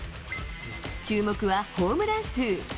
注目はホームラン数。